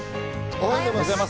おはようございます。